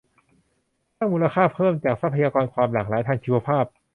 สร้างมูลค่าเพิ่มจากทรัพยากรความหลากหลายทางชีวภาพ